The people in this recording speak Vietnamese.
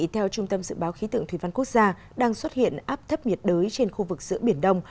theo trung tâm dự báo khí tượng thủy văn quốc gia đang xuất hiện áp thấp nhiệt đới trên khu vực giữa biển đông